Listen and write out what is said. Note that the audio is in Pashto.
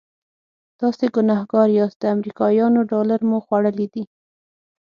تاسې ګنهګار یاست د امریکایانو ډالر مو خوړلي دي.